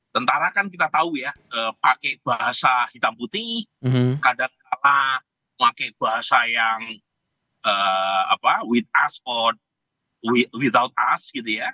tentara kan kita tahu ya pakai bahasa hitam putih kadangkala pakai bahasa yang wit us out without us gitu ya